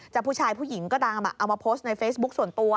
ผู้ชายผู้หญิงก็ตามเอามาโพสต์ในเฟซบุ๊คส่วนตัว